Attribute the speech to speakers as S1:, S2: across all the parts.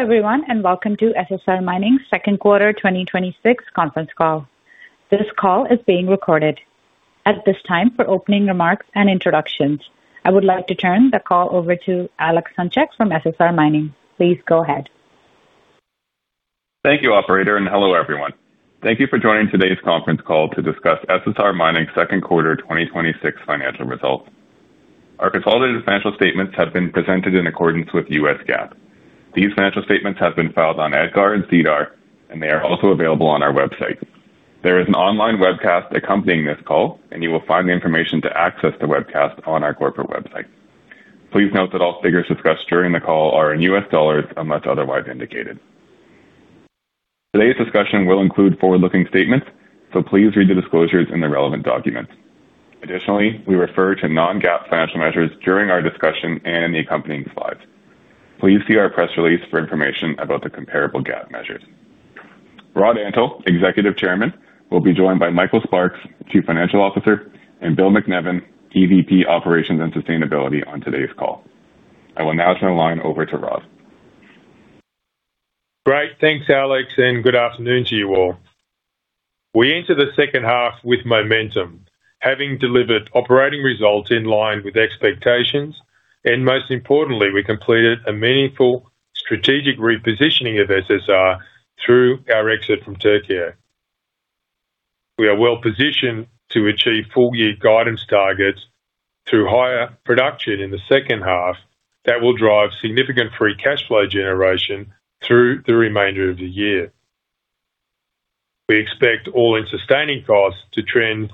S1: Hello, everyone, and welcome to SSR Mining's second quarter 2026 conference call. This call is being recorded. At this time, for opening remarks and introductions, I would like to turn the call over to Alex Hunchak from SSR Mining. Please go ahead.
S2: Thank you, operator, and hello, everyone. Thank you for joining today's conference call to discuss SSR Mining's second quarter 2026 financial results. Our consolidated financial statements have been presented in accordance with US GAAP. These financial statements have been filed on EDGAR and SEDAR, and they are also available on our website. There is an online webcast accompanying this call, and you will find the information to access the webcast on our corporate website. Please note that all figures discussed during the call are in US dollars, unless otherwise indicated. Today's discussion will include forward-looking statements, so please read the disclosures in the relevant documents. Additionally, we refer to non-GAAP financial measures during our discussion and the accompanying slides. Please see our press release for information about the comparable GAAP measures. Rodney P. Antal, Executive Chairman, will be joined by Michael J. Sparks, Chief Financial Officer, and Bill MacNevin, EVP Operations and Sustainability on today's call. I will now turn the line over to Rod.
S3: Great. Thanks, Alex. Good afternoon to you all. We enter the second half with momentum, having delivered operating results in line with expectations, and most importantly, we completed a meaningful strategic repositioning of SSR through our exit from Türkiye. We are well-positioned to achieve full-year guidance targets through higher production in the second half that will drive significant free cash flow generation through the remainder of the year. We expect all-in sustaining costs to trend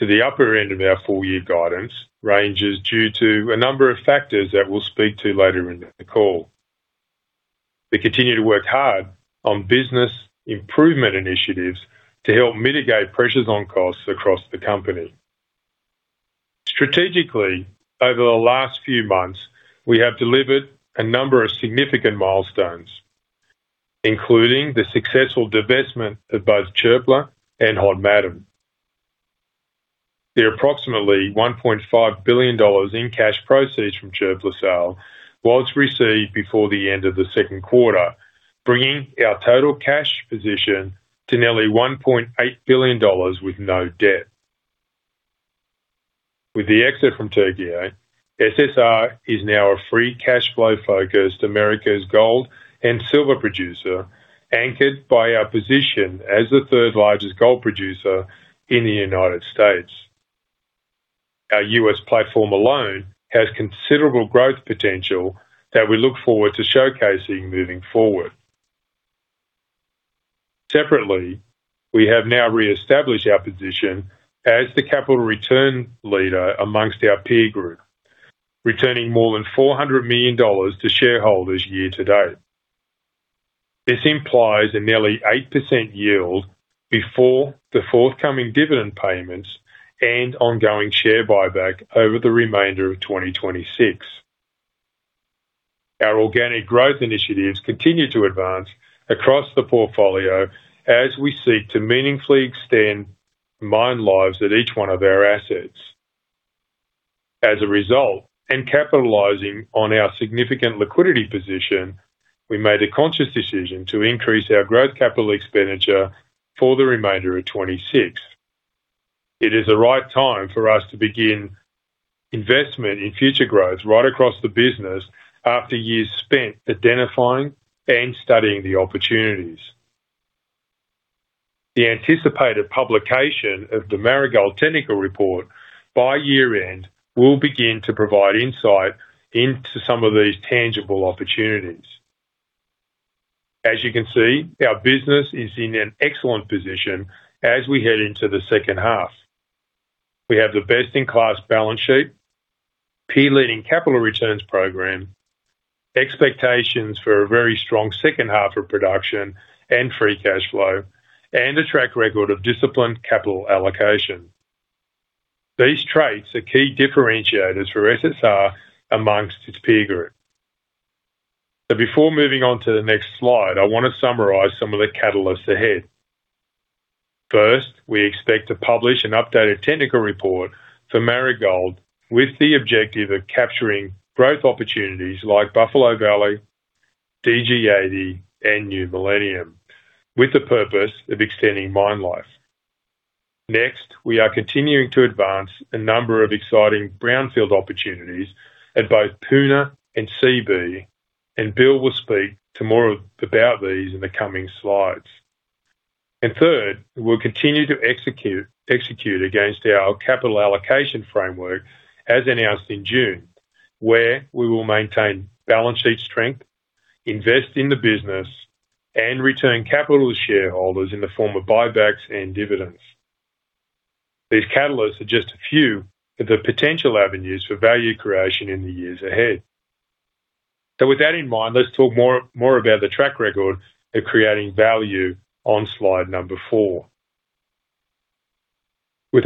S3: to the upper end of our full year guidance ranges due to a number of factors that we'll speak to later in the call. We continue to work hard on business improvement initiatives to help mitigate pressures on costs across the company. Strategically, over the last few months, we have delivered a number of significant milestones, including the successful divestment of both Çöpler and Hod Maden. The approximately $1.5 billion in cash proceeds from Çöpler sale was received before the end of the second quarter, bringing our total cash position to nearly $1.8 billion with no debt. With the exit from Türkiye, SSR is now a free cash flow-focused Americas gold and silver producer, anchored by our position as the third largest gold producer in the U.S. Our U.S. platform alone has considerable growth potential that we look forward to showcasing moving forward. Separately, we have now reestablished our position as the capital return leader amongst our peer group, returning more than $400 million to shareholders year to date. This implies a nearly 8% yield before the forthcoming dividend payments and ongoing share buyback over the remainder of 2026. Our organic growth initiatives continue to advance across the portfolio as we seek to meaningfully extend mine lives at each one of our assets. Capitalizing on our significant liquidity position, we made a conscious decision to increase our growth capital expenditure for the remainder of 2026. It is the right time for us to begin investment in future growth right across the business after years spent identifying and studying the opportunities. The anticipated publication of the Marigold technical report by year end will begin to provide insight into some of these tangible opportunities. As you can see, our business is in an excellent position as we head into the second half. We have the best-in-class balance sheet, peer-leading capital returns program, expectations for a very strong second half of production and free cash flow, and a track record of disciplined capital allocation. These traits are key differentiators for SSR amongst its peer group. Before moving on to the next slide, I want to summarize some of the catalysts ahead. First, we expect to publish an updated technical report for Marigold with the objective of capturing growth opportunities like Buffalo Valley, DG80, and New Millennium with the purpose of extending mine life. Next, we are continuing to advance a number of exciting brownfield opportunities at both Puna and Seabee, and Bill will speak to more about these in the coming slides. Third, we'll continue to execute against our capital allocation framework as announced in June, where we will maintain balance sheet strength, invest in the business, and return capital to shareholders in the form of buybacks and dividends. These catalysts are just a few of the potential avenues for value creation in the years ahead. With that in mind, let's talk more about the track record of creating value on slide number four. We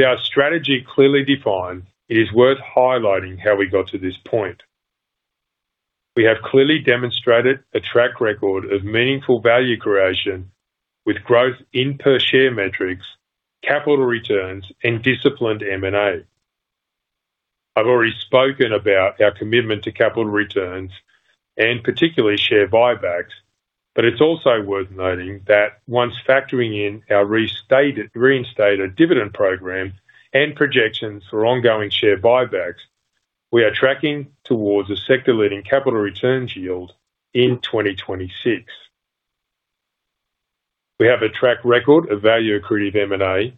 S3: have clearly demonstrated a track record of meaningful value creation with growth in per share metrics, capital returns, and disciplined M&A. I've already spoken about our commitment to capital returns and particularly share buybacks, but it's also worth noting that once factoring in our reinstated dividend program and projections for ongoing share buybacks, we are tracking towards a sector-leading capital returns yield in 2026. We have a track record of value-accretive M&A,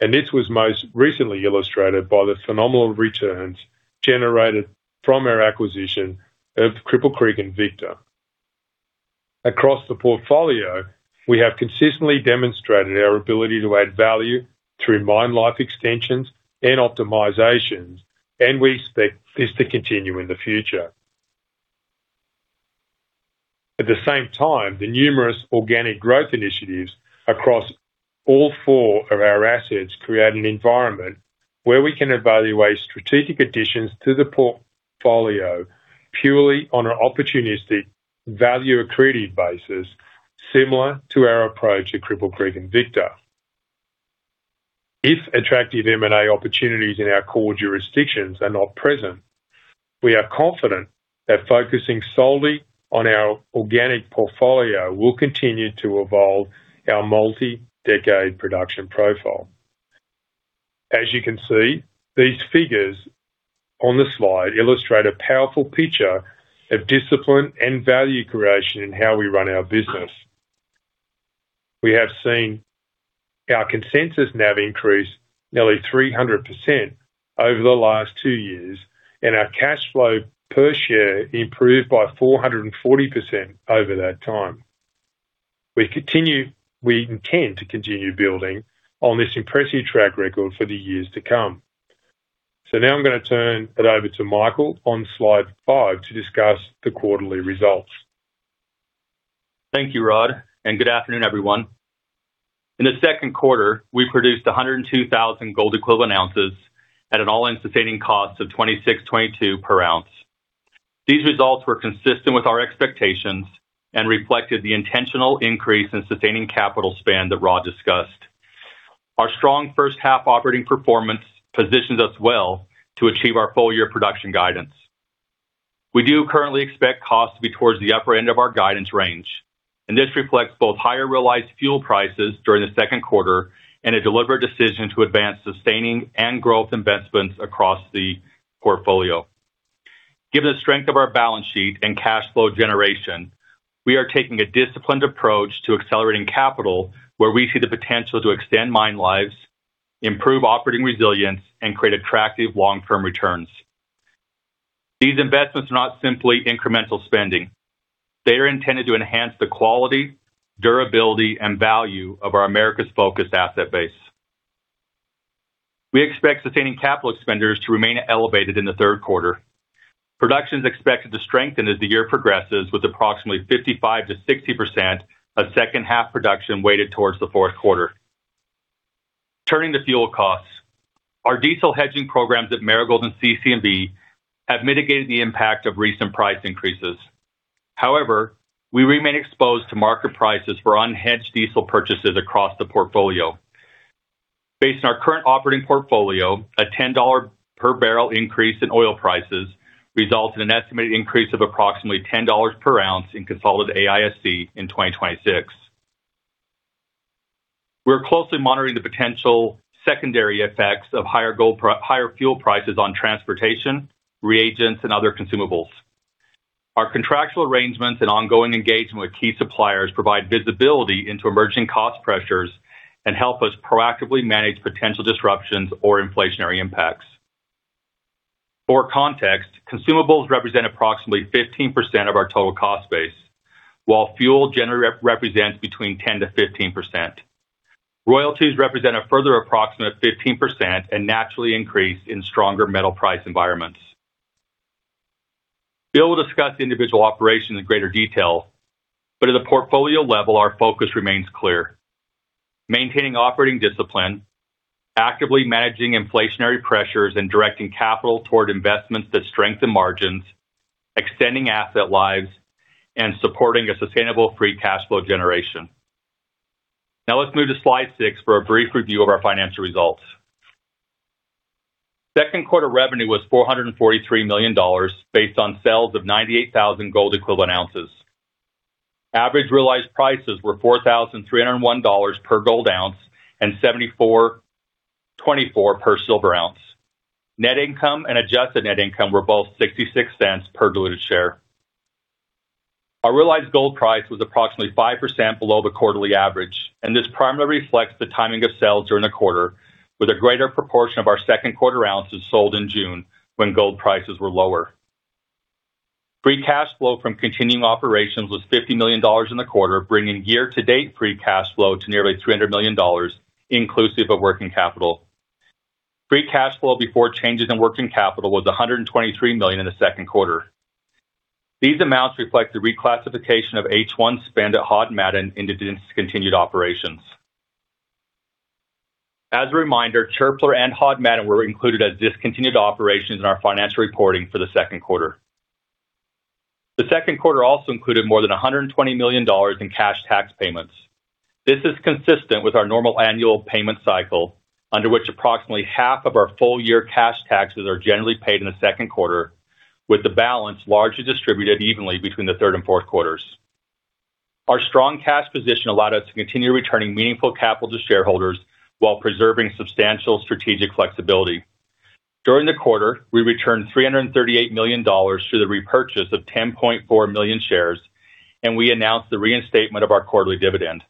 S3: and this was most recently illustrated by the phenomenal returns generated from our acquisition of Cripple Creek & Victor. Across the portfolio, we have consistently demonstrated our ability to add value through mine life extensions and optimizations, and we expect this to continue in the future. At the same time, the numerous organic growth initiatives across all four of our assets create an environment where we can evaluate strategic additions to the portfolio purely on an opportunistic value-accretive basis, similar to our approach at Cripple Creek & Victor. If attractive M&A opportunities in our core jurisdictions are not present, we are confident that focusing solely on our organic portfolio will continue to evolve our multi-decade production profile. As you can see, these figures on the slide illustrate a powerful picture of discipline and value creation in how we run our business. We have seen our consensus NAV increase nearly 300% over the last two years, and our cash flow per share improved by 440% over that time. We intend to continue building on this impressive track record for the years to come. Now I'm going to turn it over to Michael on slide five to discuss the quarterly results.
S4: Thank you, Rod, and good afternoon, everyone. In the second quarter, we produced 102,000 gold equivalent ounces at an all-in sustaining cost of $2,622 per ounce. These results were consistent with our expectations and reflected the intentional increase in sustaining capital spend that Rod discussed. Our strong first half operating performance positions us well to achieve our full year production guidance. We do currently expect costs to be towards the upper end of our guidance range, and this reflects both higher realized fuel prices during the second quarter and a deliberate decision to advance sustaining and growth investments across the portfolio. Given the strength of our balance sheet and cash flow generation, we are taking a disciplined approach to accelerating capital where we see the potential to extend mine lives, improve operating resilience, and create attractive long-term returns. These investments are not simply incremental spending. They are intended to enhance the quality, durability, and value of our Americas focused asset base. We expect sustaining capital expenditures to remain elevated in the third quarter. Production is expected to strengthen as the year progresses, with approximately 55%-60% of second half production weighted towards the fourth quarter. Turning to fuel costs, our diesel hedging programs at Marigold and CC&V have mitigated the impact of recent price increases. However, we remain exposed to market prices for unhedged diesel purchases across the portfolio. Based on our current operating portfolio, a $10 per barrel increase in oil prices results in an estimated increase of approximately $10 per ounce in consolidated AISC in 2026. We're closely monitoring the potential secondary effects of higher fuel prices on transportation, reagents, and other consumables. Our contractual arrangements and ongoing engagement with key suppliers provide visibility into emerging cost pressures and help us proactively manage potential disruptions or inflationary impacts. For context, consumables represent approximately 15% of our total cost base, while fuel generally represents between 10%-15%. Royalties represent a further approximate 15% and naturally increase in stronger metal price environments. Bill will discuss individual operations in greater detail, but at the portfolio level, our focus remains clear. Maintaining operating discipline, actively managing inflationary pressures, and directing capital toward investments that strengthen margins, extending asset lives, and supporting a sustainable free cash flow generation. Now let's move to slide six for a brief review of our financial results. Second quarter revenue was $443 million, based on sales of 98,000 gold equivalent ounces. Average realized prices were $4,301 per gold ounce and $74.24 per silver ounce. Net income and adjusted net income were both $0.66 per diluted share. Our realized gold price was approximately 5% below the quarterly average. This primarily reflects the timing of sales during the quarter, with a greater proportion of our second quarter ounces sold in June, when gold prices were lower. Free cash flow from continuing operations was $50 million in the quarter, bringing year-to-date free cash flow to nearly $300 million, inclusive of working capital. Free cash flow before changes in working capital was $123 million in the second quarter. These amounts reflect the reclassification of H1 spend at Hod Maden in discontinued operations. As a reminder, Çöpler and Hod Maden were included as discontinued operations in our financial reporting for the second quarter. The second quarter also included more than $120 million in cash tax payments. This is consistent with our normal annual payment cycle, under which approximately half of our full-year cash taxes are generally paid in the second quarter, with the balance largely distributed evenly between the third and fourth quarters. Our strong cash position allowed us to continue returning meaningful capital to shareholders while preserving substantial strategic flexibility. During the quarter, we returned $338 million through the repurchase of 10.4 million shares. We announced the reinstatement of our quarterly dividend.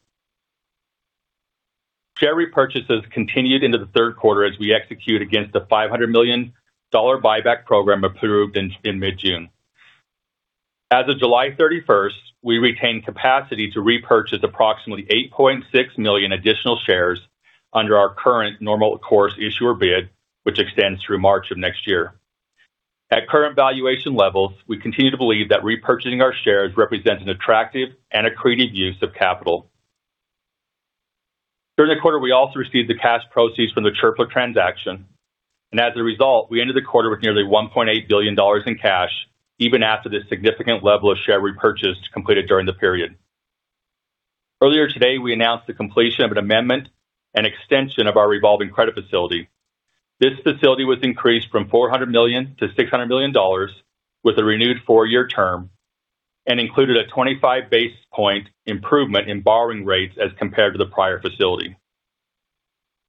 S4: Share repurchases continued into the third quarter as we execute against a $500 million buyback program approved in mid-June. As of July 31st, we retained capacity to repurchase approximately 8.6 million additional shares under our current normal course issuer bid, which extends through March of next year. At current valuation levels, we continue to believe that repurchasing our shares represents an attractive and accretive use of capital. During the quarter, we also received the cash proceeds from the Çöpler transaction. As a result, we ended the quarter with nearly $1.8 billion in cash, even after this significant level of share repurchase completed during the period. Earlier today, we announced the completion of an amendment and extension of our revolving credit facility. This facility was increased from $400 million-$600 million with a renewed four-year term and included a 25 basis point improvement in borrowing rates as compared to the prior facility.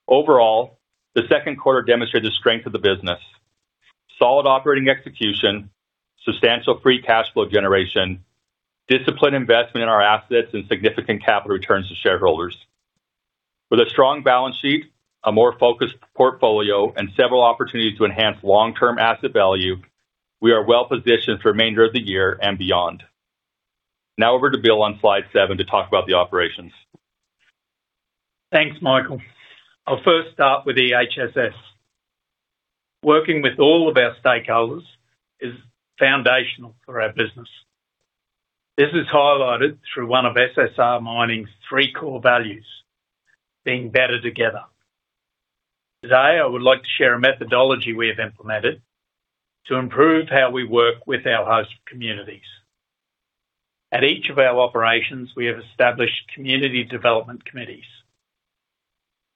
S4: Overall, the second quarter demonstrated the strength of the business, solid operating execution, substantial free cash flow generation, disciplined investment in our assets, and significant capital returns to shareholders. With a strong balance sheet, a more focused portfolio, and several opportunities to enhance long-term asset value, we are well-positioned for the remainder of the year and beyond. Now over to Bill on slide seven to talk about the operations.
S5: Thanks, Michael. I'll first start with EHS&S. Working with all of our stakeholders is foundational for our business. This is highlighted through one of SSR Mining's three core values, being better together. Today, I would like to share a methodology we have implemented to improve how we work with our host communities. At each of our operations, we have established community development committees.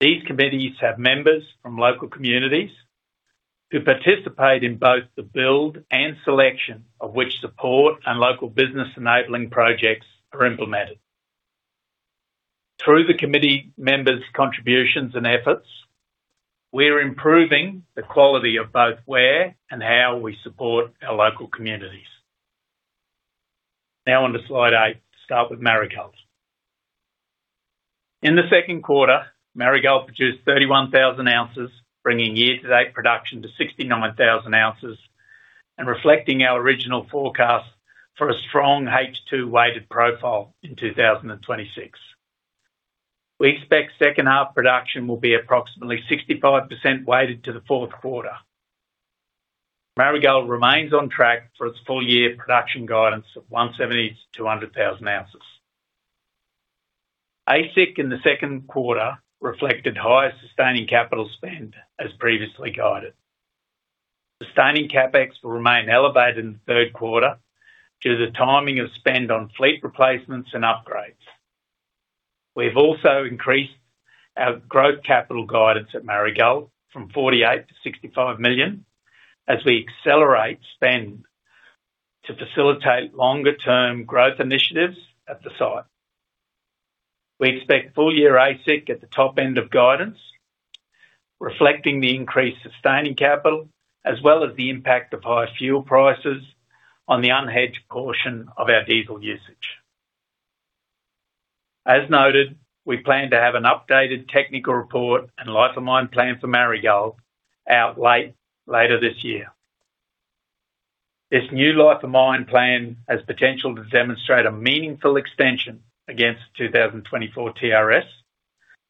S5: These committees have members from local communities who participate in both the build and selection of which support and local business enabling projects are implemented. Through the committee members' contributions and efforts, we are improving the quality of both where and how we support our local communities. Now on to slide eight to start with Marigold. In the second quarter, Marigold produced 31,000 ounces, bringing year-to-date production to 69,000 ounces and reflecting our original forecast for a strong H2-weighted profile in 2026. We expect second half production will be approximately 65% weighted to the fourth quarter. Marigold remains on track for its full-year production guidance of 170,000-200,000 ounces. AISC in the second quarter reflected higher sustaining capital spend as previously guided. Sustaining CapEx will remain elevated in the third quarter due to the timing of spend on fleet replacements and upgrades. We've also increased our growth capital guidance at Marigold from $48 million-$65 million as we accelerate spend to facilitate longer-term growth initiatives at the site. We expect full-year AISC at the top end of guidance, reflecting the increased sustaining capital, as well as the impact of higher fuel prices on the unhedged portion of our diesel usage. As noted, we plan to have an updated technical report and life of mine plan for Marigold out later this year. This new life of mine plan has potential to demonstrate a meaningful extension against 2024 TRS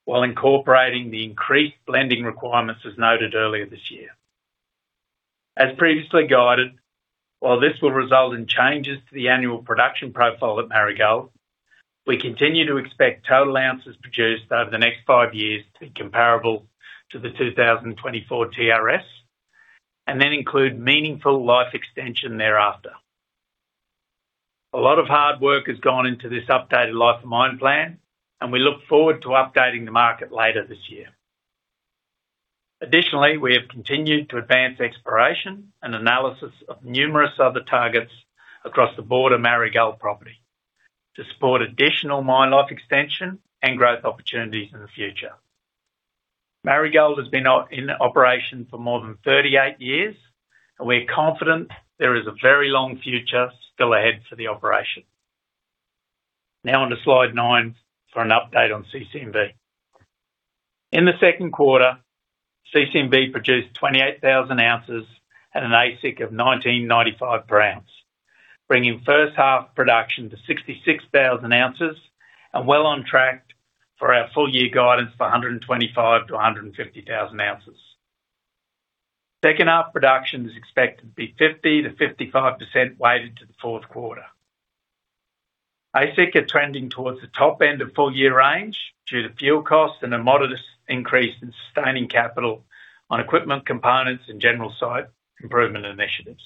S5: while incorporating the increased blending requirements as noted earlier this year. As previously guided, while this will result in changes to the annual production profile at Marigold, we continue to expect total ounces produced over the next five years to be comparable to the 2024 TRS and then include meaningful life extension thereafter. A lot of hard work has gone into this updated life of mine plan, and we look forward to updating the market later this year. Additionally, we have continued to advance exploration and analysis of numerous other targets across the board of Marigold property to support additional mine life extension and growth opportunities in the future. Marigold has been in operation for more than 38 years, and we're confident there is a very long future still ahead for the operation. Now on to slide nine for an update on CC&V. In the second quarter, CC&V produced 28,000 ounces at an AISC of $1,995 per ounce, bringing first half production to 66,000 ounces and well on track for our full-year guidance for 125,000-150,000 ounces. Second half production is expected to be 50%-55% weighted to the fourth quarter. AISC are trending towards the top end of full-year range due to fuel costs and a modest increase in sustaining capital on equipment components and general site improvement initiatives.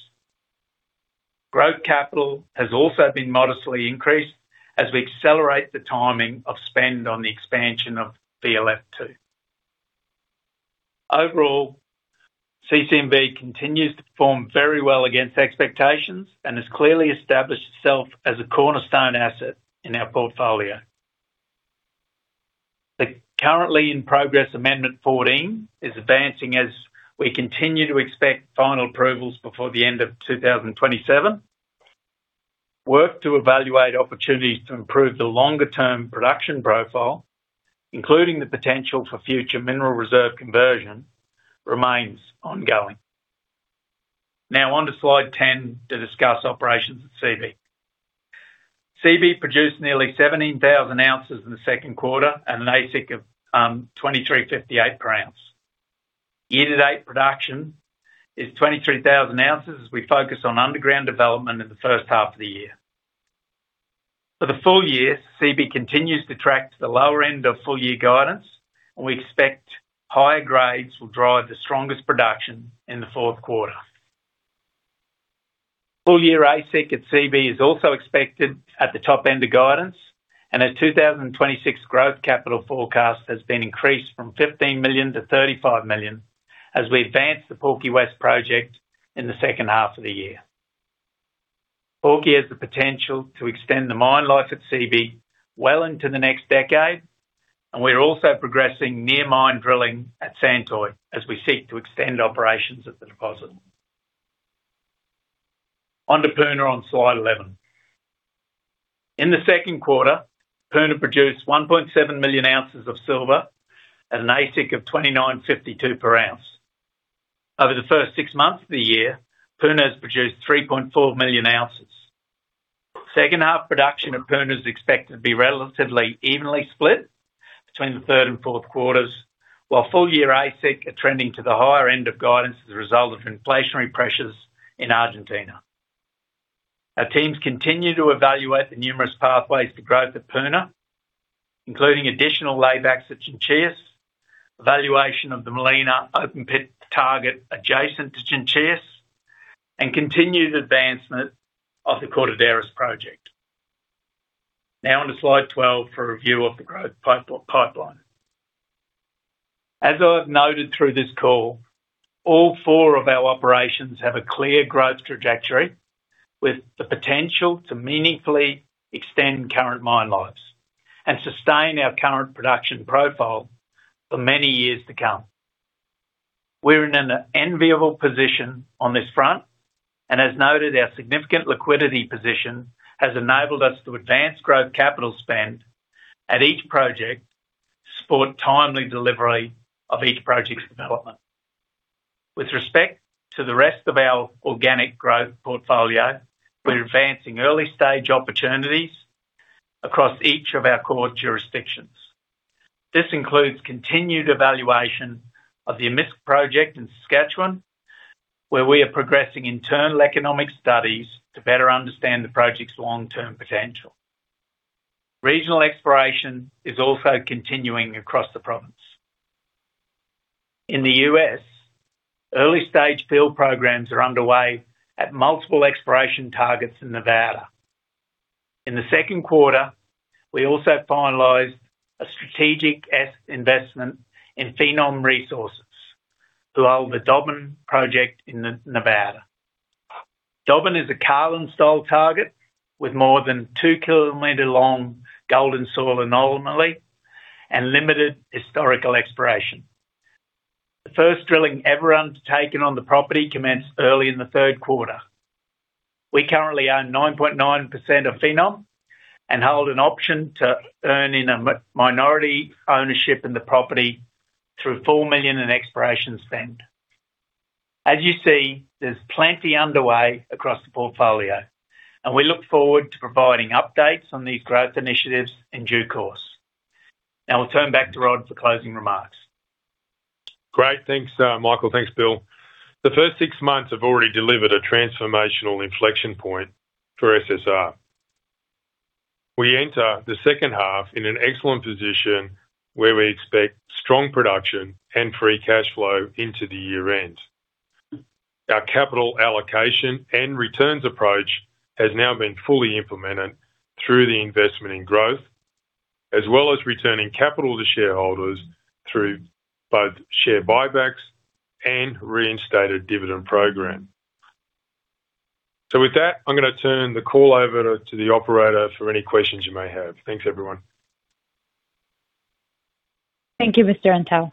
S5: Growth capital has also been modestly increased as we accelerate the timing of spend on the expansion of VLF2. Overall, CC&V continues to perform very well against expectations and has clearly established itself as a cornerstone asset in our portfolio. The currently in progress Amendment 14 is advancing as we continue to expect final approvals before the end of 2027. Work to evaluate opportunities to improve the longer-term production profile, including the potential for future mineral reserve conversion, remains ongoing. Now on to slide 10 to discuss operations at Seabee. Seabee produced nearly 17,000 ounces in the second quarter at an AISC of $23.58 per ounce. Year-to-date production is 23,000 ounces as we focus on underground development in the first half of the year. For the full year, Seabee continues to track to the lower end of full-year guidance, and we expect higher grades will drive the strongest production in the fourth quarter. Full year AISC at Seabee is also expected at the top end of guidance, and our 2026 growth capital forecast has been increased from $15 million-$35 million as we advance the Porky West project in the second half of the year. Porky West has the potential to extend the mine life at Seabee well into the next decade, and we're also progressing near mine drilling at Santoy as we seek to extend operations at the deposit. On to Puna on slide 11. In the second quarter, Puna produced 1.7 million ounces of silver at an AISC of $29.52 per ounce. Over the first six months of the year, Puna has produced 3.4 million ounces. Second half production at Puna is expected to be relatively evenly split between the third and fourth quarters, while full year AISC are trending to the higher end of guidance as a result of inflationary pressures in Argentina. Our teams continue to evaluate the numerous pathways to growth at Puna, including additional laybacks at Chinchillas, evaluation of the Molina open pit target adjacent to Chinchillas, and continued advancement of the Cortaderas project. Now on to slide 12 for a review of the growth pipeline. As I've noted through this call, all four of our operations have a clear growth trajectory with the potential to meaningfully extend current mine lives and sustain our current production profile for many years to come. We're in an enviable position on this front. As noted, our significant liquidity position has enabled us to advance growth capital spend at each project to support timely delivery of each project's development. With respect to the rest of our organic growth portfolio, we're advancing early-stage opportunities across each of our core jurisdictions. This includes continued evaluation of the Amisk project in Saskatchewan, where we are progressing internal economic studies to better understand the project's long-term potential. Regional exploration is also continuing across the province. In the U.S., early-stage field programs are underway at multiple exploration targets in Nevada. In the second quarter, we also finalized a strategic asset investment in Phenom Resources to hold the Dobbin Project in Nevada. Dobbin is a Carlin-style target with more than 2-kilometer-long golden soil anomaly and limited historical exploration. The first drilling ever undertaken on the property commenced early in the third quarter. We currently own 9.9% of Phenom and hold an option to earn in a minority ownership in the property through $4 million in exploration spend. As you see, there's plenty underway across the portfolio, and we look forward to providing updates on these growth initiatives in due course. Now I'll turn back to Rod for closing remarks.
S3: Great. Thanks, Michael. Thanks, Bill. The first six months have already delivered a transformational inflection point for SSR. We enter the second half in an excellent position where we expect strong production and free cash flow into the year-end. Our capital allocation and returns approach has now been fully implemented through the investment in growth, as well as returning capital to shareholders through both share buybacks and reinstated dividend program. With that, I'm going to turn the call over to the operator for any questions you may have. Thanks, everyone.
S1: Thank you, Mr. Antal.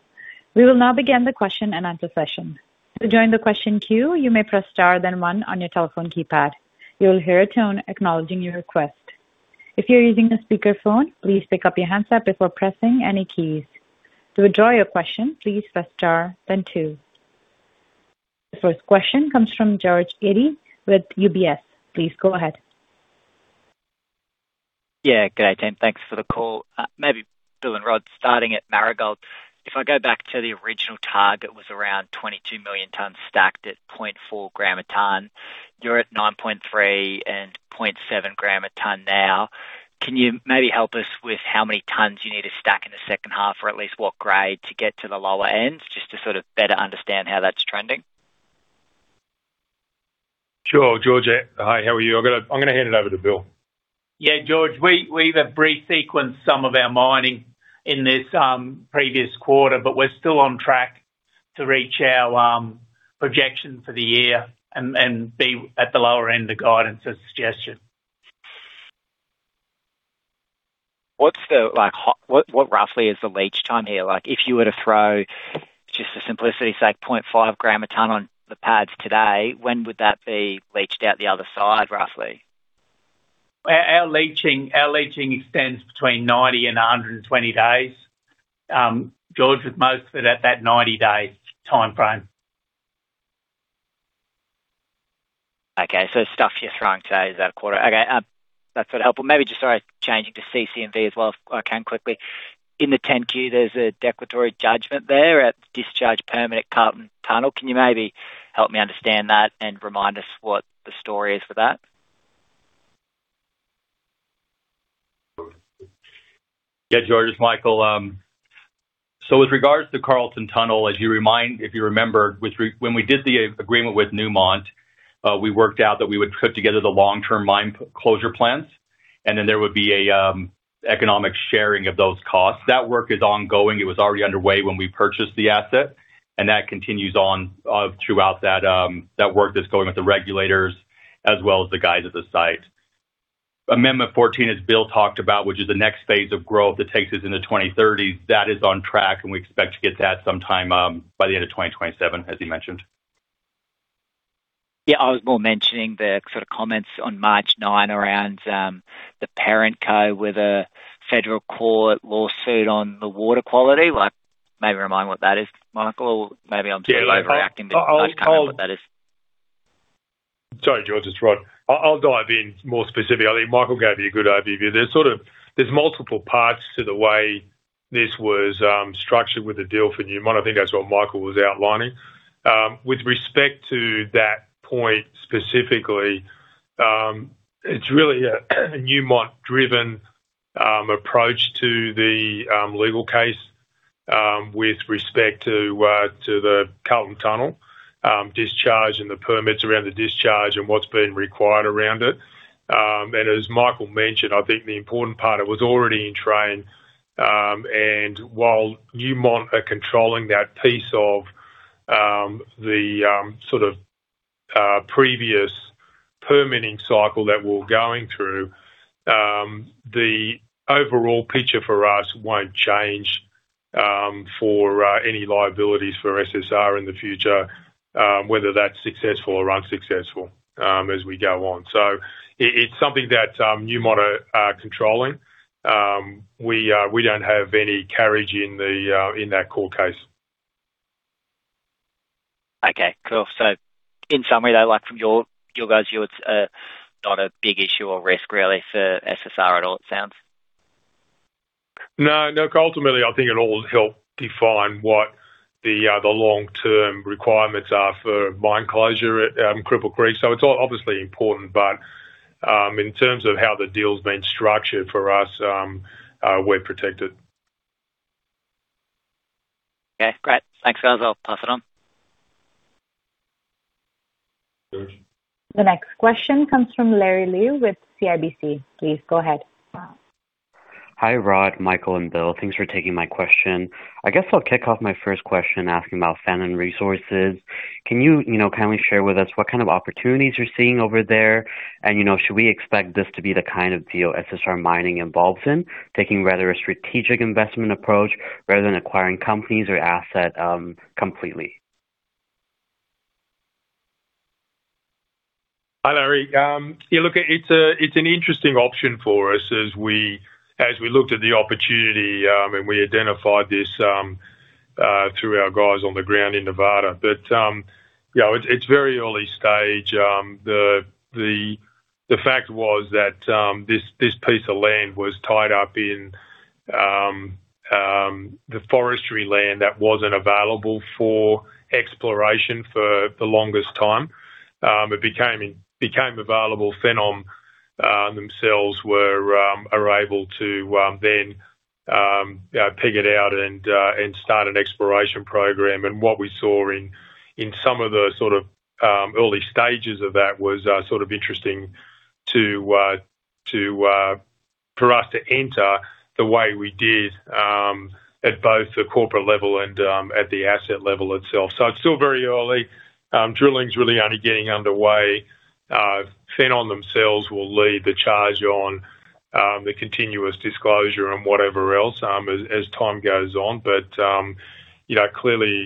S1: We will now begin the question and answer session. To join the question queue, you may press star then one on your telephone keypad. You will hear a tone acknowledging your request. If you're using a speakerphone, please pick up your handset before pressing any keys. To withdraw your question, please press star then two. The first question comes from George Eadie with UBS. Please go ahead.
S6: Yeah, good day team. Thanks for the call. Maybe Bill and Rod, starting at Marigold. If I go back to the original target was around 22 million tons stacked at 0.4 gram a ton. You're at 9.3 and 0.7 gram a ton now. Can you maybe help us with how many tons you need to stack in the second half, or at least what grade to get to the lower end, just to sort of better understand how that's trending?
S3: Sure, George. Hi, how are you? I'm going to hand it over to Bill.
S5: Yeah, George, we've pre-sequenced some of our mining in this previous quarter. We're still on track to reach our projection for the year and be at the lower end of guidance as suggested.
S6: What roughly is the leach time here? If you were to throw, just for simplicity sake, 0.5 gram a ton on the pads today, when would that be leached out the other side, roughly?
S5: Our leaching extends between 90 and 120 days. George, with most of it at that 90-day timeframe.
S6: Okay. Stuff you're throwing today is at a quarter. Okay, that's helpful. Maybe just sorry, changing to CC&V as well, if I can quickly. In the 10-Q, there's a declaratory judgment there at the discharge permanent Carlton Tunnel. Can you maybe help me understand that and remind us what the story is for that?
S4: Yeah, George, it's Michael. With regards to Carlton Tunnel, if you remember, when we did the agreement with Newmont, we worked out that we would put together the long-term mine closure plans, and then there would be economic sharing of those costs. That work is ongoing. It was already underway when we purchased the asset, and that continues on throughout that work that's going with the regulators as well as the guys at the site. Amendment 14, as Bill talked about, which is the next phase of growth that takes us into 2030, that is on track, and we expect to get that sometime by the end of 2027, as he mentioned.
S6: Yeah, I was more mentioning the sort of comments on March 9 around, the parent co with a federal court lawsuit on the water quality. Maybe remind me what that is, Michael? Maybe I'm totally overreacting, but can I know what that is.
S3: Sorry, George, it's Rod. I'll dive in more specifically. I think Michael gave you a good overview. There's multiple parts to the way this was structured with the deal for Newmont. I think that's what Michael was outlining. With respect to that point specifically, it's really a Newmont-driven approach to the legal case, with respect to the Carlton Tunnel discharge and the permits around the discharge and what's been required around it. As Michael mentioned, I think the important part, it was already in train. While Newmont are controlling that piece of the sort of previous permitting cycle that we're going through, the overall picture for us won't change, for any liabilities for SSR in the future, whether that's successful or unsuccessful, as we go on. It's something that Newmont are controlling. We don't have any carriage in that court case.
S6: Okay, cool. In summary, though, from you guys, it is not a big issue or risk really for SSR at all, it sounds.
S3: No, because ultimately, I think it will help define what the long-term requirements are for mine closure at Cripple Creek & Victor. It is obviously important, but in terms of how the deal has been structured for us, we are protected.
S6: Okay, great. Thanks, guys. I will pass it on.
S1: The next question comes from Larry Liu with CIBC Capital Markets. Please go ahead.
S7: Hi, Rod, Michael and Bill. Thanks for taking my question. I guess I'll kick off my first question asking about Phenom Resources. Can you kindly share with us what kind of opportunities you're seeing over there? Should we expect this to be the kind of deal SSR Mining involved in, taking rather a strategic investment approach rather than acquiring companies or asset completely?
S3: Hi, Larry. It's an interesting option for us as we looked at the opportunity, we identified this through our guys on the ground in Nevada. It's very early stage. The fact was that this piece of land was tied up in the forestry land that wasn't available for exploration for the longest time. It became available. Phenom themselves are able to then peg it out and start an exploration program. What we saw in some of the sort of early stages of that was sort of interesting for us to enter the way we did, at both the corporate level and at the asset level itself. It's still very early. Drilling's really only getting underway. Phenom themselves will lead the charge on the continuous disclosure and whatever else, as time goes on. Clearly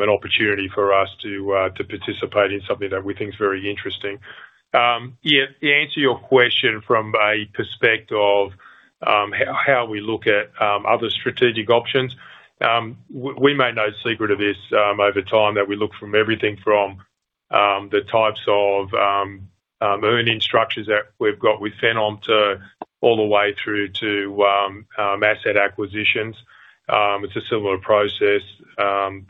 S3: an opportunity for us to participate in something that we think is very interesting. To answer your question from a perspective of how we look at other strategic options. We made no secret of this, over time that we look from everything from the types of earning structures that we've got with Phenom all the way through to asset acquisitions. It's a similar process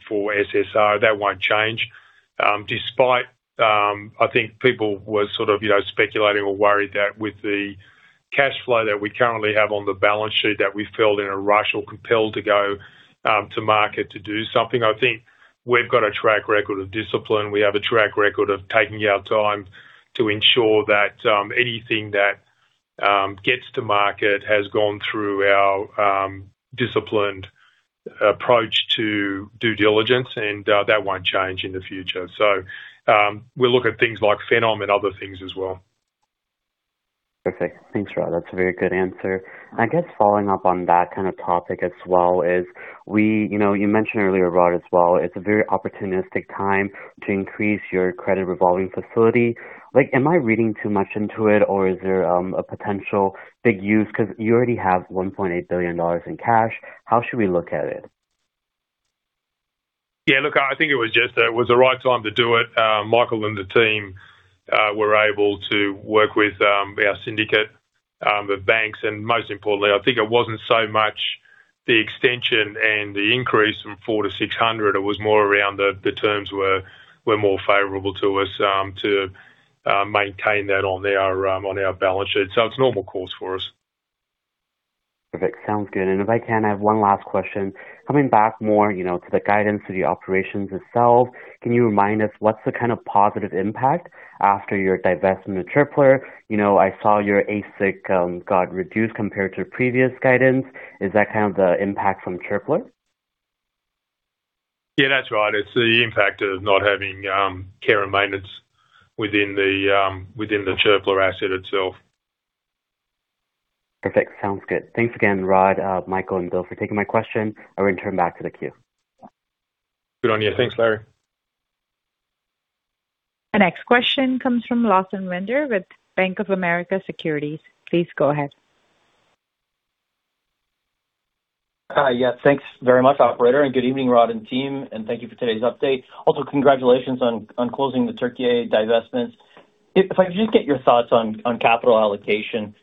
S3: for SSR. That won't change. Despite, I think people were sort of speculating or worried that with the cash flow that we currently have on the balance sheet, that we felt in a rush or compelled to market to do something. I think we've got a track record of discipline. We have a track record of taking our time to ensure that anything that gets to market has gone through our disciplined approach to due diligence, that won't change in the future. We look at things like Phenom and other things as well.
S7: Perfect. Thanks, Rod. That's a very good answer. I guess following up on that kind of topic as well is, you mentioned earlier, Rod, as well, it's a very opportunistic time to increase your credit revolving facility. Am I reading too much into it, or is there a potential big use because you already have $1.8 billion in cash? How should we look at it?
S3: Yeah, look, I think it was just that it was the right time to do it. Michael and the team were able to work with our syndicate of banks. Most importantly, I think it wasn't so much the extension and the increase from $400 million to $600 million, it was more around the terms were more favorable to us to maintain that on our balance sheet. It's normal course for us.
S7: Perfect. Sounds good. If I can, I have one last question. Coming back more to the guidance of the operations itself, can you remind us what's the kind of positive impact after your divest in the Çöpler? I saw your AISC got reduced compared to previous guidance. Is that kind of the impact from Çöpler?
S3: Yeah, that's right. It's the impact of not having care and maintenance within the Çöpler asset itself.
S7: Perfect. Sounds good. Thanks again, Rod, Michael, and Bill for taking my question. I will turn back to the queue.
S3: Good on you. Thanks, Larry.
S1: The next question comes from Lawson Winder with Bank of America Securities. Please go ahead.
S8: Yeah, thanks very much, operator, and good evening, Rod and team, and thank you for today's update. Congratulations on closing the Türkiye divestments. If I could just get your thoughts on capital allocation.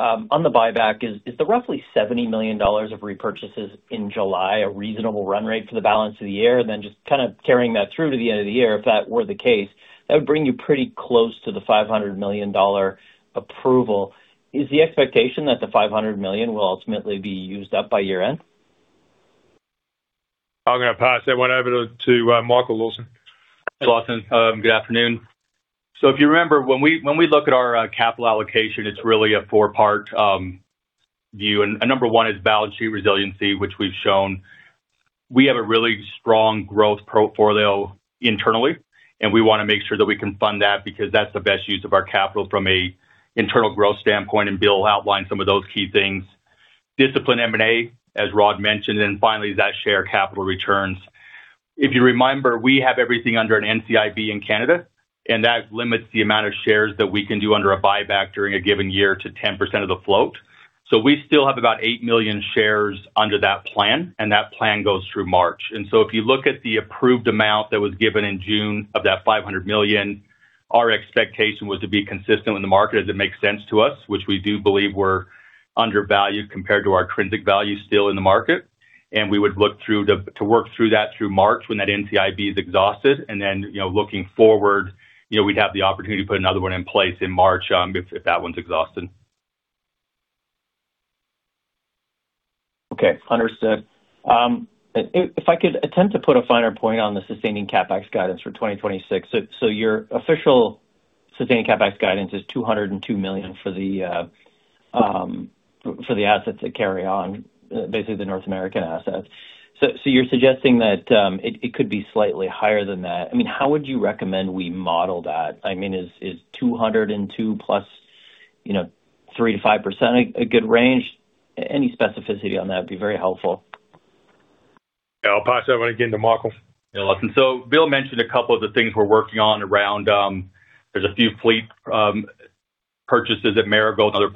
S8: On the buyback, is the roughly $70 million of repurchases in July a reasonable run rate for the balance of the year? Then just kind of carrying that through to the end of the year, if that were the case, that would bring you pretty close to the $500 million approval. Is the expectation that the $500 million will ultimately be used up by year-end?
S3: I'm gonna pass that one over to Michael, Lawson.
S4: Hey Lawson. Good afternoon. If you remember, when we look at our capital allocation, it's really a four-part view. Number one is balance sheet resiliency, which we've shown. We have a really strong growth portfolio internally, and we want to make sure that we can fund that because that's the best use of our capital from an internal growth standpoint. Bill outlined some of those key things. Discipline M&A, as Rod mentioned, and finally, that share capital returns. If you remember, we have everything under an NCIB in Canada, and that limits the amount of shares that we can do under a buyback during a given year to 10% of the float. We still have about 8 million shares under that plan, and that plan goes through March. If you look at the approved amount that was given in June of that $500 million, our expectation was to be consistent with the market as it makes sense to us, which we do believe we're undervalued compared to our intrinsic value still in the market. We would look to work through that through March when that NCIB is exhausted. Looking forward, we'd have the opportunity to put another one in place in March, if that one's exhausted.
S8: Okay. Understood. If I could attempt to put a finer point on the sustaining CapEx guidance for 2026. Your official sustaining CapEx guidance is $202 million for the assets that carry on, basically the North American assets. You're suggesting that it could be slightly higher than that. How would you recommend we model that? Is $202 million plus 3%-5% a good range? Any specificity on that would be very helpful.
S3: Yeah. I'll pass that one again to Michael.
S4: Yeah. Lawson. Bill mentioned a couple of the things we're working on around. There's a few fleet purchases at Marigold and other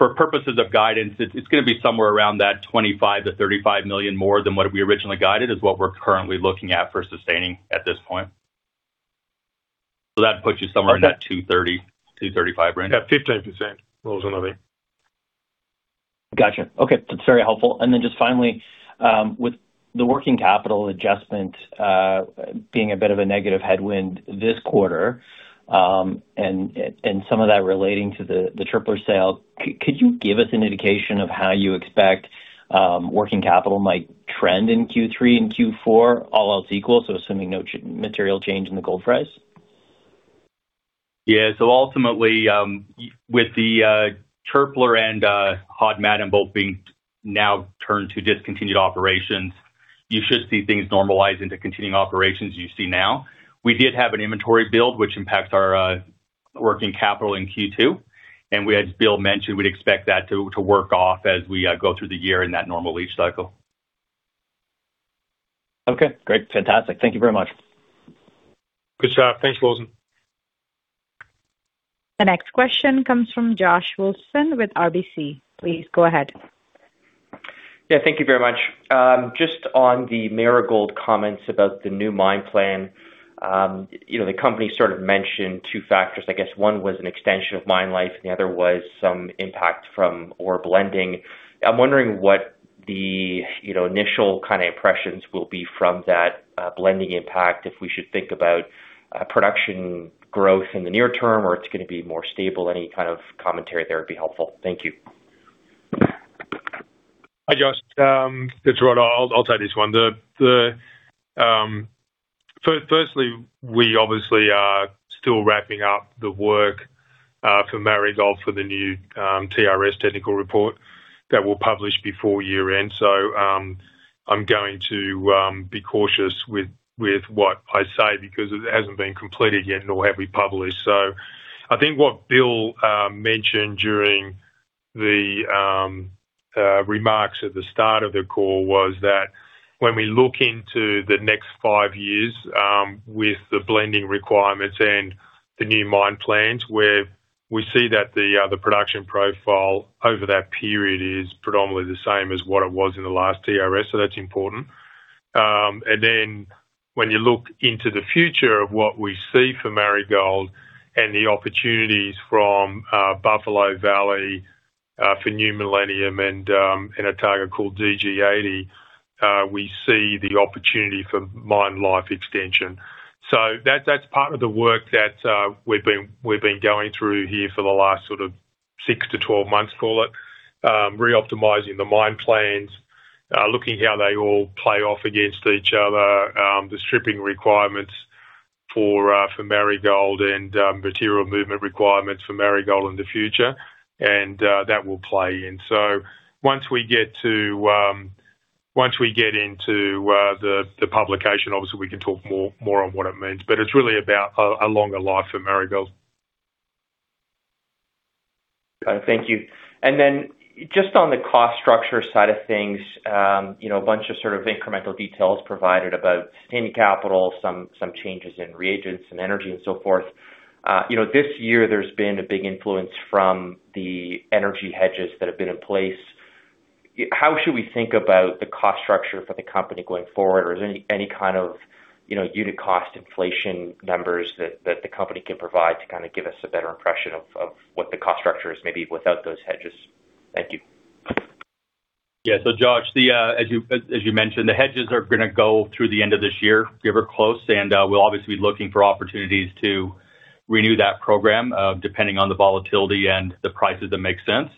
S4: places. For purposes of guidance, it's gonna be somewhere around that $25 million-$35 million more than what we originally guided is what we're currently looking at for sustaining at this point. That puts you somewhere in that $230 million-$235 million range
S8: Gotcha. Okay. That's very helpful. Then just finally, with the working capital adjustment being a bit of a negative headwind this quarter, and some of that relating to the Çöpler sale, could you give us an indication of how you expect working capital might trend in Q3 and Q4, all else equal, so assuming no material change in the gold price?
S4: Yeah. So ultimately, with the Çöpler and Hod Maden both being now turned to discontinued operations, you should see things normalize into continuing operations you see now. We did have an inventory build, which impacts our working capital in Q2, and as Bill mentioned, we would expect that to work off as we go through the year in that normal lease cycle.
S8: Okay. Great. Fantastic. Thank you very much.
S4: Good stuff. Thanks, Lawson.
S1: The next question comes from Joshua Wilson-Dumont with RBC. Please go ahead.
S9: Yeah, thank you very much. Just on the Marigold comments about the new mine plan. The company sort of mentioned two factors, I guess one was an extension of mine life, and the other was some impact from ore blending. I'm wondering what the initial kind of impressions will be from that blending impact, if we should think about production growth in the near term or it's going to be more stable. Any kind of commentary there would be helpful. Thank you.
S3: Hi, Joshua. It's Rod. I'll take this one. Firstly, we obviously are still wrapping up the work for Marigold for the new TRS technical report that we'll publish before year-end. I'm going to be cautious with what I say because it hasn't been completed yet, nor have we published. I think what Bill mentioned during the remarks at the start of the call was that when we look into the next five years, with the blending requirements and the new mine plans, where we see that the production profile over that period is predominantly the same as what it was in the last TRS. That's important. When you look into the future of what we see for Marigold and the opportunities from Buffalo Valley, for New Millennium and a target called DG80, we see the opportunity for mine life extension. That's part of the work that we've been going through here for the last sort of six to 12 months, call it, reoptimizing the mine plans, looking how they all play off against each other, the stripping requirements for Marigold and material movement requirements for Marigold in the future. That will play in. Once we get into the publication, obviously, we can talk more on what it means, but it's really about a longer life for Marigold.
S9: Thank you. Just on the cost structure side of things, a bunch of sort of incremental details provided about sustaining capital, some changes in reagents and energy and so forth. This year, there's been a big influence from the energy hedges that have been in place. How should we think about the cost structure for the company going forward? Is there any kind of unit cost inflation numbers that the company can provide to kind of give us a better impression of what the cost structure is, maybe without those hedges? Thank you.
S4: Joshua, as you mentioned, the hedges are going to go through the end of this year, give or close. We'll obviously be looking for opportunities to renew that program, depending on the volatility and the prices that make sense.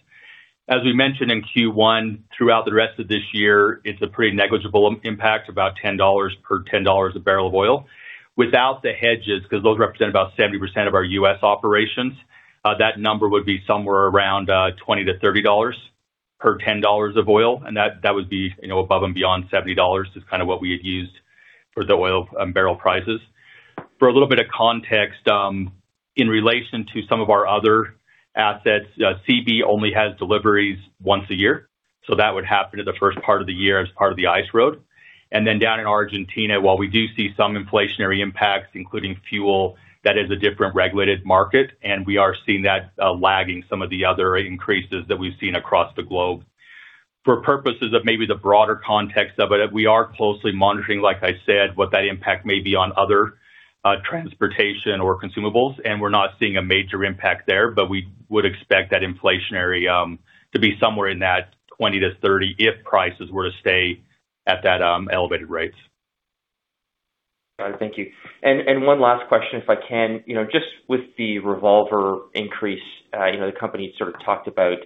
S4: As we mentioned in Q1, throughout the rest of this year, it's a pretty negligible impact, about $10 per $10 a barrel of oil. Without the hedges, because those represent about 70% of our U.S. operations, that number would be somewhere around $20-$30 per $10 of oil, and that would be above and beyond $70 is kind of what we had used for the oil barrel prices. For a little bit of context, in relation to some of our other assets, Seabee only has deliveries once a year. That would happen in the first part of the year as part of the ice road. Down in Argentina, while we do see some inflationary impacts, including fuel, that is a different regulated market. We are seeing that lagging some of the other increases that we've seen across the globe. For purposes of maybe the broader context of it, we are closely monitoring, like I said, what that impact may be on other transportation or consumables, and we're not seeing a major impact there, but we would expect that inflationary, to be somewhere in that $20-$30 if prices were to stay at that elevated rates.
S9: Got it. Thank you. One last question, if I can. Just with the revolver increase, the company sort of talked about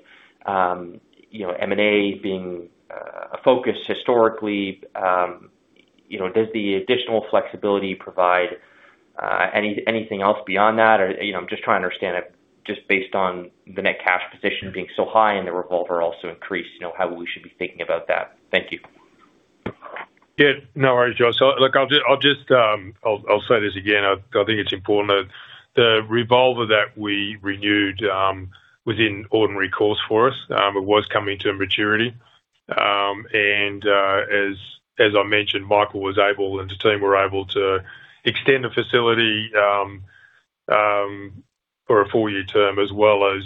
S9: M&A being a focus historically. Does the additional flexibility provide anything else beyond that? I'm just trying to understand just based on the net cash position being so high and the revolver also increased, how we should be thinking about that. Thank you.
S3: Yeah. No worries, Joshua. Look, I'll say this again. I think it's important. The revolver that we renewed, within ordinary course for us, it was coming to maturity. As I mentioned, Michael was able, and the team were able to extend the facility for a full year term as well as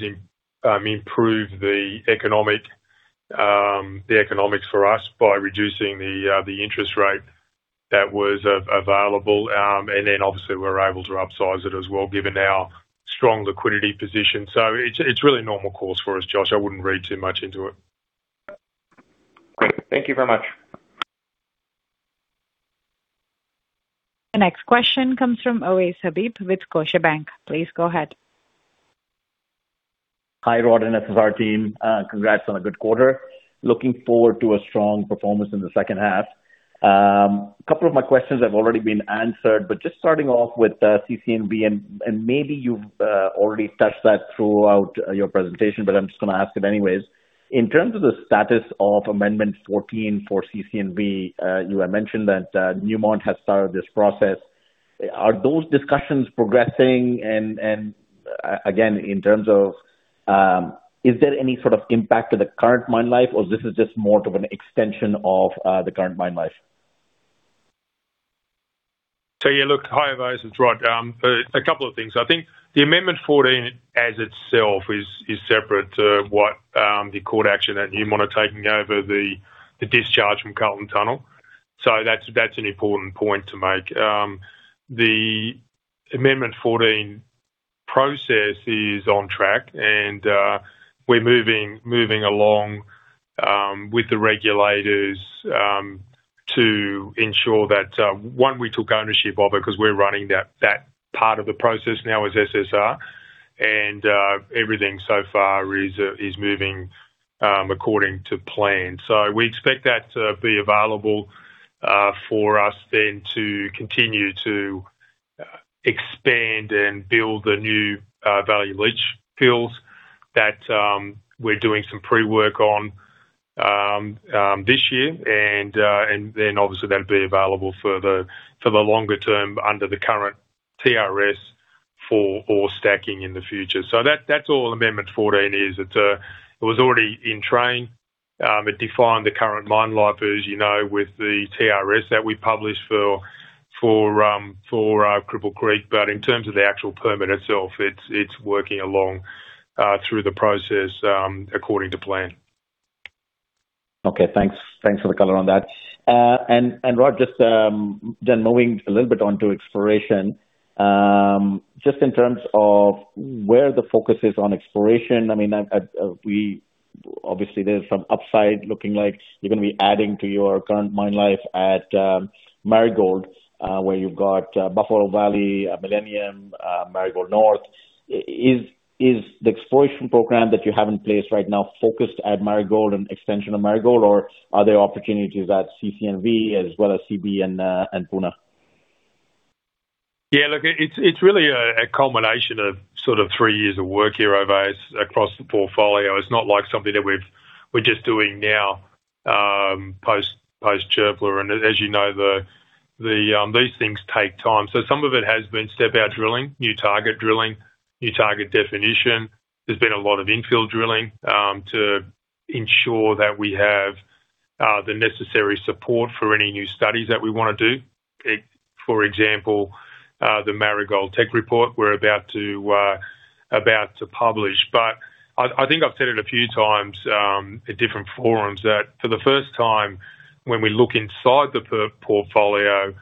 S3: improve the economics for us by reducing the interest rate that was available. Obviously we're able to upsize it as well given our strong liquidity position. It's really a normal course for us, Joshua. I wouldn't read too much into it.
S9: Great. Thank you very much.
S1: The next question comes from Ovais Habib with Scotiabank. Please go ahead.
S10: Hi, Rod, and SSR team. Congrats on a good quarter. Looking forward to a strong performance in the second half. A couple of my questions have already been answered, but just starting off with CC&V, maybe you've already touched that throughout your presentation, but I'm just going to ask it anyways. In terms of the status of Amendment 14 for CC&V, you had mentioned that Newmont has started this process. Are those discussions progressing? Again, in terms of, is there any sort of impact to the current mine life or is this just more of an extension of the current mine life?
S3: Yeah, look, hi, Ovais. It's Rod. A couple of things. I think the Amendment 14 as itself is separate to what Newmont is taking over the discharge from Carlton Tunnel. That's an important point to make. The Amendment 14 process is on track, and we're moving along with the regulators to ensure that, one, we took ownership of it because we're running that part of the process now as SSR. Everything so far is moving according to plan. We expect that to be available for us then to continue to expand and build the new value leach fields that we're doing some pre-work on this year. Then obviously that'll be available for the longer term under the current TRS for ore stacking in the future. That's all Amendment 14 is. It was already in train. It defined the current mine life, as you know, with the TRS that we published for Cripple Creek & Victor. In terms of the actual permit itself, it's working along through the process according to plan.
S10: Okay, thanks. Thanks for the color on that. Rod, just then moving a little bit onto exploration, just in terms of where the focus is on exploration. I mean, obviously there's some upside looking like you're going to be adding to your current mine life at Marigold, where you've got Buffalo Valley, Millennium, Marigold North. Is the exploration program that you have in place right now focused at Marigold and extension of Marigold, or are there opportunities at CC&V as well as Seabee and Puna?
S3: Yeah, look, it's really a culmination of sort of three years of work here, Ovais, across the portfolio. It's not like something that we're just doing now, post-Çöpler. As you know, these things take time. Some of it has been step-out drilling, new target drilling, new target definition. There's been a lot of infill drilling, to ensure that we have the necessary support for any new studies that we want to do. For example, the Marigold tech report we're about to publish. I think I've said it a few times, at different forums that for the first time, when we look inside the portfolio,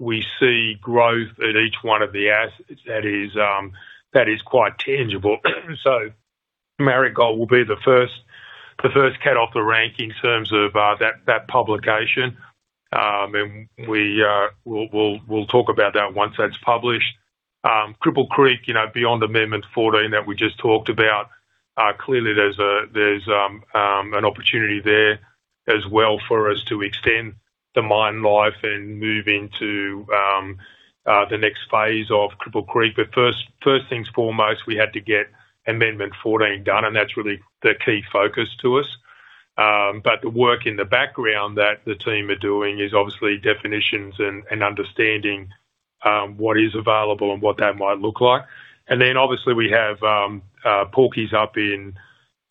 S3: we see growth at each one of the assets that is quite tangible. Marigold will be the first cat off the rank in terms of that publication. We'll talk about that once that's published. Cripple Creek & Victor, beyond Amendment 14 that we just talked about, clearly there's an opportunity there as well for us to extend the mine life and move into the next phase of Cripple Creek & Victor. First things foremost, we had to get Amendment 14 done, and that's really the key focus to us. The work in the background that the team are doing is obviously definitions and understanding what is available and what that might look like. Then obviously we have Porky up in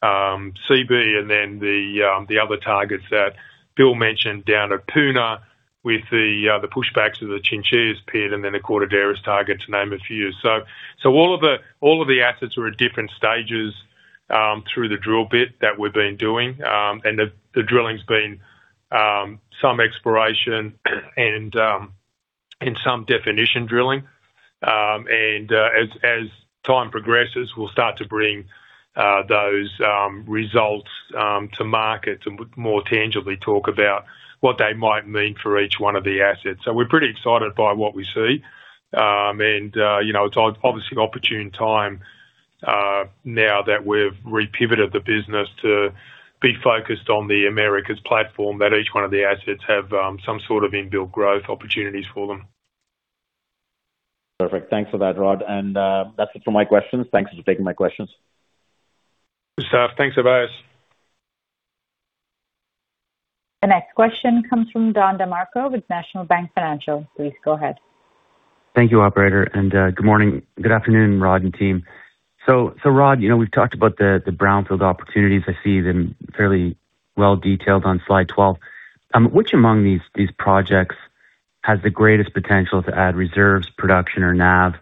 S3: Seabee, and then the other targets that Bill mentioned down at Puna with the pushbacks of the Chinchillas pit and then the Cortaderas target, to name a few. All of the assets are at different stages through the drill bit that we've been doing. The drilling's been some exploration and some definition drilling. As time progresses, we'll start to bring those results to market and more tangibly talk about what they might mean for each one of the assets. We're pretty excited by what we see. It's obviously an opportune time, now that we've repivoted the business to be focused on the Americas platform, that each one of the assets have some sort of inbuilt growth opportunities for them.
S10: Perfect. Thanks for that, Rod. That's it for my questions. Thanks for taking my questions.
S3: Good stuff. Thanks, Ovais.
S1: The next question comes from Don DeMarco with National Bank Financial. Please go ahead.
S11: Thank you, operator, and good morning. Good afternoon, Rod and team. Rod, we've talked about the brownfield opportunities. I see them fairly well detailed on slide 12. Which among these projects has the greatest potential to add reserves, production or NAV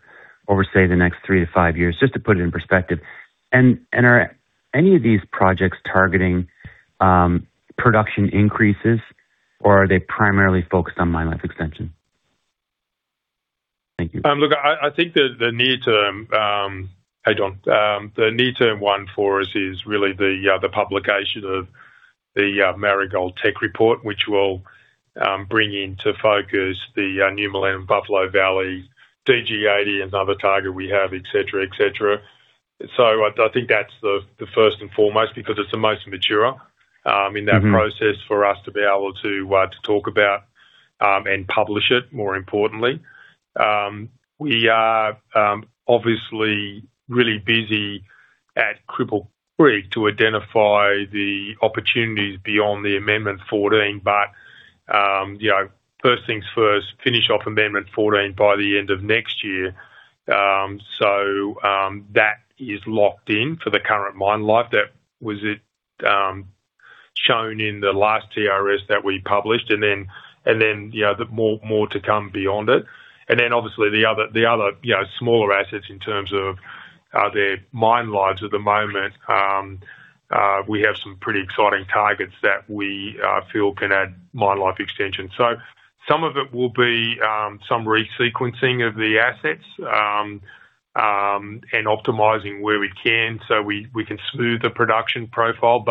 S11: over, say, the next three to five years, just to put it in perspective? Are any of these projects targeting production increases or are they primarily focused on mine life extension? Thank you.
S3: Hey, Don. The near term one for us is really the publication of the Marigold tech report, which will bring into focus the New Millennium, Buffalo Valley, DG80, another target we have, et cetera. I think that's the first and foremost, because it's the most mature in that process for us to be able to talk about, and publish it, more importantly. We are obviously really busy at Cripple Creek & Victor to identify the opportunities beyond the Amendment 14. First things first, finish off Amendment 14 by the end of next year. That is locked in for the current mine life. That was shown in the last TRS that we published, and then more to come beyond it. Obviously the other smaller assets in terms of their mine lives at the moment. We have some pretty exciting targets that we feel can add mine life extension. Some of it will be some resequencing of the assets, and optimizing where we can so we can smooth the production profile.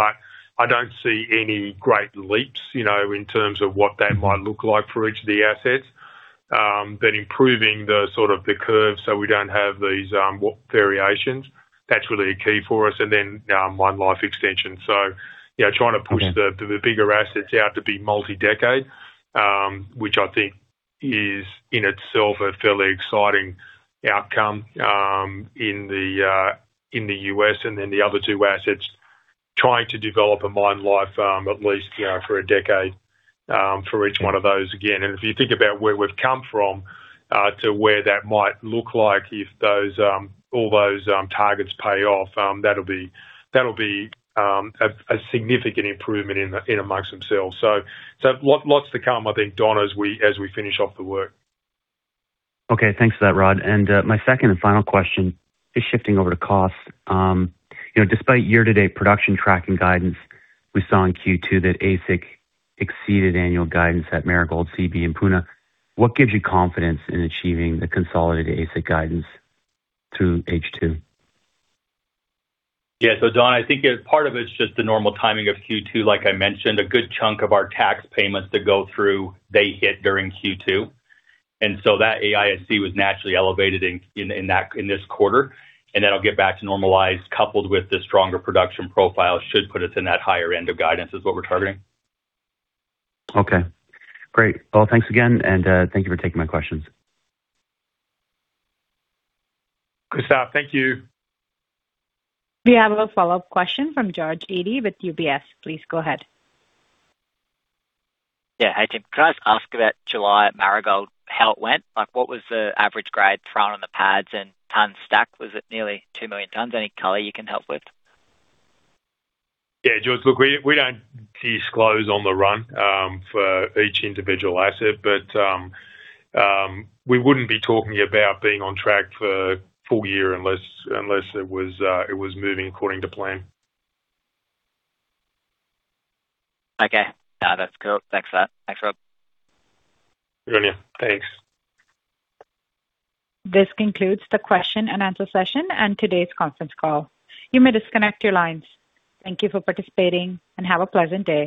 S3: I don't see any great leaps, in terms of what that might look like for each of the assets. Improving the curve so we don't have these variations, that's really a key for us. Mine life extension. Trying to push the bigger assets out to be multi-decade, which I think is in itself a fairly exciting outcome in the U.S. and then the other two assets trying to develop a mine life, at least, for a decade, for each one of those again. If you think about where we've come from, to where that might look like if all those targets pay off, that'll be a significant improvement in amongst themselves. Lots to come, I think, Don, as we finish off the work.
S11: Okay. Thanks for that, Rod. My second and final question is shifting over to cost. Despite year-to-date production tracking guidance, we saw in Q2 that AISC exceeded annual guidance at Marigold, Seabee, and Puna. What gives you confidence in achieving the consolidated AISC guidance through H2?
S4: Yeah. Don, I think part of it is just the normal timing of Q2. Like I mentioned, a good chunk of our tax payments to go through, they hit during Q2, that AISC was naturally elevated in this quarter and that'll get back to normalized coupled with the stronger production profile should put us in that higher end of guidance is what we're targeting.
S11: Okay. Great. Thanks again, and thank you for taking my questions.
S3: Don DeMarco, thank you.
S1: We have a follow-up question from George Eadie with UBS. Please go ahead.
S6: Yeah. Hey, Tim. Can I just ask about July at Marigold, how it went? What was the average grade thrown on the pads and tons stacked? Was it nearly 2 million tons? Any color you can help with?
S3: Yeah, George, look, we don't disclose on the run for each individual asset. We wouldn't be talking about being on track for full year unless it was moving according to plan.
S6: Okay. That's cool. Thanks for that. Thanks, Rod.
S3: Brilliant. Thanks.
S1: This concludes the question and answer session and today's conference call. You may disconnect your lines. Thank you for participating, and have a pleasant day.